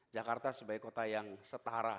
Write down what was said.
jakarta sebagai kota yang setara